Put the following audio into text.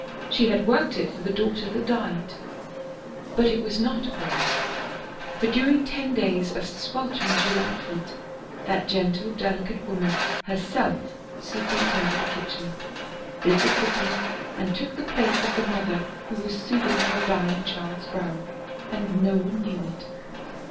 She had worked it for the daughter that died." But it was not all. For during ten days of sweltering July heat that gentle, delicate woman herself superintended the kitchen, did the cooking, and took the place of the mother who was soothing her dying child's brow, and no one knew it.